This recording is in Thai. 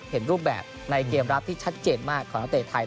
เห็นรูปแบบในเกมรับที่ชัดเจนมากของนักเตะไทย